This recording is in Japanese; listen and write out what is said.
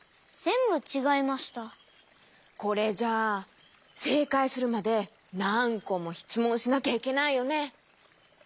これじゃあせいかいするまでなんこもしつもんしなきゃいけないよね。